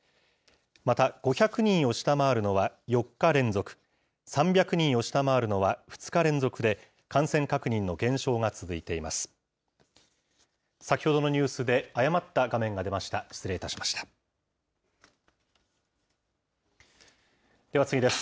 また、５００人を下回るのは４日連続、３００人を下回るのは２日連続で感染確認の減少が続いています。